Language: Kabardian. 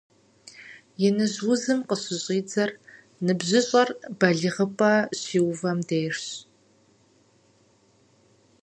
Иныжь узым къыщыщӀидзэр ныбжьыщӀэр балигъыпӀэ щиувэм дежщ.